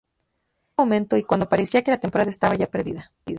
En ese momento, y cuando parecía que la temporada estaba ya perdida.